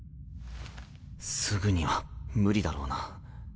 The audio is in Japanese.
すぐには無理だろうな。